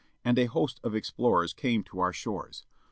And a host of explorers came to our shores.